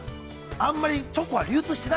あんまり、チョコは流通してない。